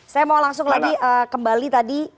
saya mau langsung lagi kembali tadi